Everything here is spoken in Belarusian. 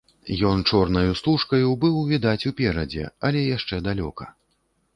Ён чорнаю стужкаю быў відаць уперадзе, але яшчэ далёка.